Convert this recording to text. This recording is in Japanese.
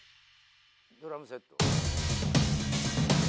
ドラムセット？